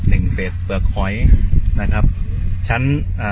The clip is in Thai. สวัสดีครับคุณผู้ชาย